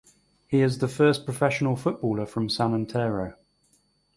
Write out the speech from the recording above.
He is the first professional footballer from San Antero.